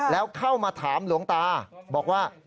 แล้วเข้ามาถามหลวงตาบอกว่า